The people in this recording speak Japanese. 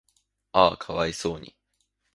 嗚呼可哀想に